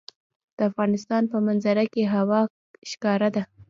د افغانستان په منظره کې هوا ښکاره ده.